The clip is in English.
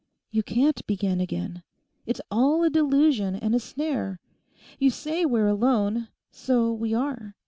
You can't begin again; it's all a delusion and a snare. You say we're alone. So we are.